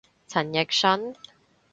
陳奕迅？